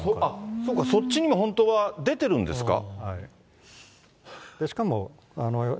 そうか、そっちにも本当は出てるんですか。